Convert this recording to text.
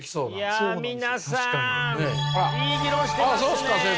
いや皆さんいい議論してますね！